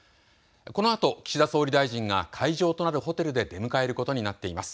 このあと岸田総理大臣が会場となるホテルで出迎えることになっています。